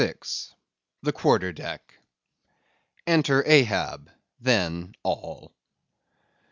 The Quarter Deck. (_Enter Ahab: Then, all.